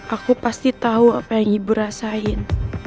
aku pasti tahu apa yang ibu rasain